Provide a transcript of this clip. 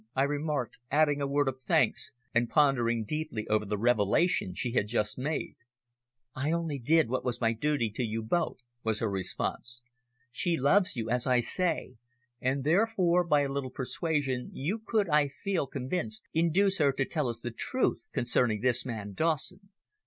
I remarked, adding a word of thanks and pondering deeply over the revelation she had just made. "I only did what was my duty to you both," was her response. "She loves you, as I say, and therefore, by a little persuasion you could, I feel convinced, induce her to tell us the truth concerning this man Dawson.